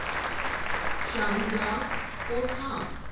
Shall he go, or come?